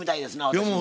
私も。